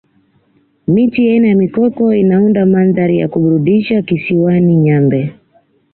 miti aina ya mikoko inaunda mandhari ya kuburudisha kisiwani nyambe